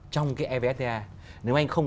trong cái evsta nếu anh không